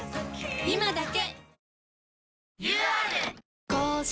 今だけ！